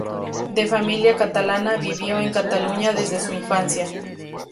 De familia catalana, vivió en Cataluña desde su infancia.